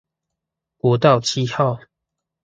國道七號